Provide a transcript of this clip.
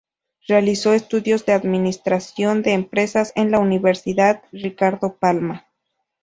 Realizó estudios de Administración de Empresas en la Universidad Ricardo Palma.